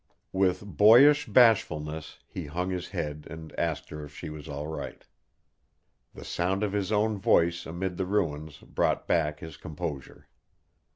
With boyish bashfulness he hung his head and asked her if she was all right. The sound of his own voice amid the ruins brought back his composure.